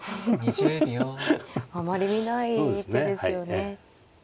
あまり見ない一手ですよね。